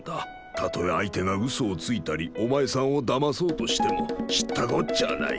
たとえ相手がうそをついたりお前さんをだまそうとしても知ったこっちゃあない。